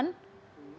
anda merasa anda betul